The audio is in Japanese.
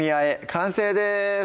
完成です